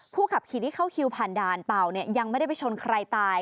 ขับขี่ที่เข้าคิวผ่านด่านเป่าเนี่ยยังไม่ได้ไปชนใครตาย